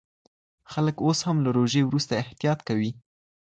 خلک اوس له روژې وروسته احتیاط کوي.